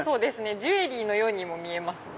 ジュエリーのようにも見えますね。